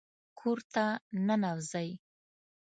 کور ته ننوځئ